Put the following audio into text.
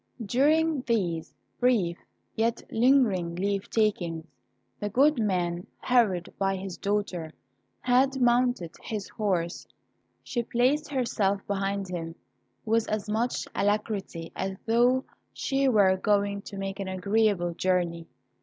During these brief, yet lingering leave takings, the good man, hurried by his daughter, had mounted his horse. She placed herself behind him with as much alacrity as though she were going to make an agreeable journey.